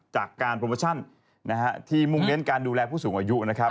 จากการโปรโมชั่นที่มุ่งเน้นการดูแลผู้สูงอายุนะครับ